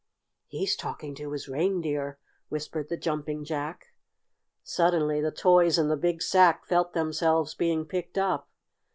"He's talking to his reindeer," whispered the Jumping Jack. Suddenly the toys in the big sack felt themselves being picked up.